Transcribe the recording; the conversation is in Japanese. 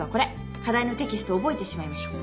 課題のテキスト覚えてしまいましょう。